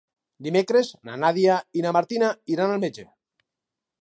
Dimecres na Nàdia i na Martina iran al metge.